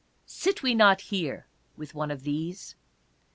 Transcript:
Sit we not here with one of these?